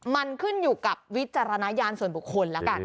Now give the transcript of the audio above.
มันขึ้นอยู่กับวิจารณญาณส่วนบุคคลแล้วกัน